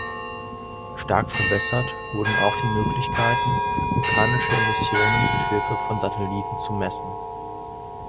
Stark verbessert wurden auch die Möglichkeiten vulkanische Emissionen mit Hilfe von Satelliten zu messen.